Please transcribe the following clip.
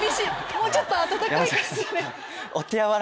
もうちょっと温かい感じで。